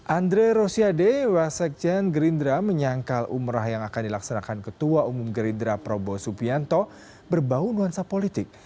andre rosiade wasekjen gerindra menyangkal umrah yang akan dilaksanakan ketua umum gerindra prabowo subianto berbau nuansa politik